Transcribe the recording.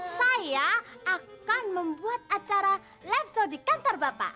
saya akan membuat acara lab show di kantor bapak